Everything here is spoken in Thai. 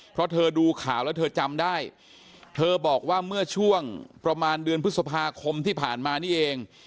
เพราะเธอดูข่าวแล้วเธอจำได้เธอบอกว่าเมื่อช่วงประมาณเดือนพฤษภาคมที่ผ่านมานี่เอง